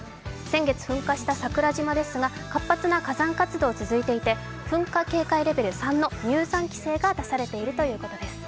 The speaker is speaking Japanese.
先月、噴火した桜島ですが活発な火山活動が続いていて噴火警戒レベル３の入山規制が出されているということです。